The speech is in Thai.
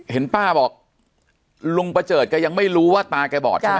เห็นป้าบอกลุงประเจิดแกยังไม่รู้ว่าตาแกบอดใช่ไหม